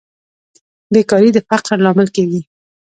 بیکاري د فقر لامل کیږي